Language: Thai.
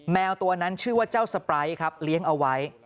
แมวตัวนั้นชื่อว่าเจ้าสไปร์ครับเลี้ยงเอาไว้